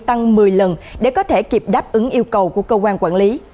tăng một mươi lần để có thể kịp đáp ứng yêu cầu của cơ quan quản lý